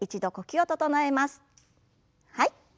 はい。